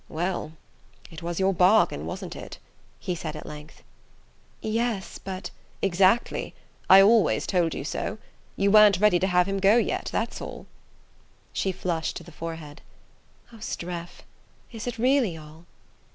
"Well it was your bargain, wasn't it?" he said at length. "Yes; but " "Exactly: I always told you so. You weren't ready to have him go yet that's all." She flushed to the forehead. "Oh, Streff is it really all?"